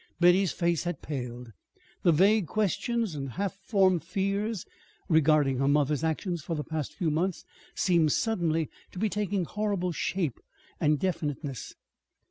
Betty's face had paled. The vague questions and half formed fears regarding her mother's actions for the past few months seemed suddenly to be taking horrible shape and definiteness.